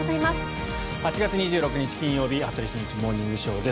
８月２６日、金曜日「羽鳥慎一モーニングショー」。